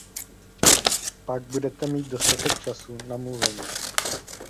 Pak budete mít dostatek času na mluvení.